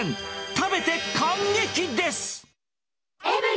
食べて感激！です。